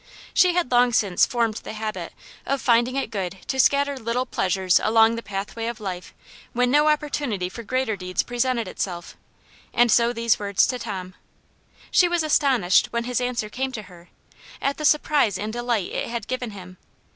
She had long since formed the habit of finding it good to scatter little Aunt Jane's Hero, 225 pleasures along the pathway of life when no oppor tunity for greater deeds presented itself, and so these words to Tom. She was astonished, when his answer came to her, at the surprise and delight it had given him.